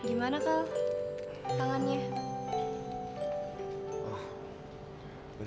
engine tanpa lervet langsung ga masuk ke pusat